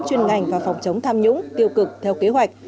chuyên ngành và phòng chống tham nhũng tiêu cực theo kế hoạch